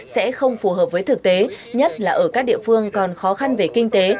sẽ không phù hợp với thực tế nhất là ở các địa phương còn khó khăn về kinh tế